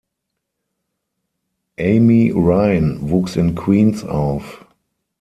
Amy Ryan wuchs in Queens auf.